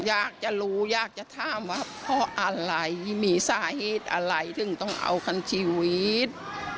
อะไรถึงต้องเอาของชีวิต